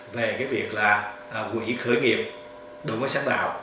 về việc quỹ khởi nghiệp đổi mới sáng tạo